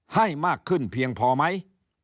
ให้มากขึ้นเพียงพอไหม